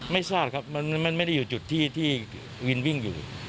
ไม่ทราบครับมันไม่ได้อยู่จุดที่วินวิ่งอยู่